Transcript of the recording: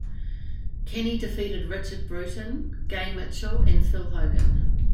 Kenny defeated Richard Bruton, Gay Mitchell and Phil Hogan.